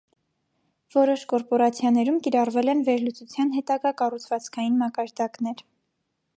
Որոշ կորպորացիաներում կիրառվել են վերլուծության հետագա կառուցվածքային մակարդակներ։